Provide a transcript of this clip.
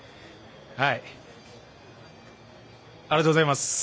ありがとうございます。